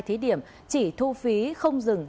thí điểm chỉ thu phí không dừng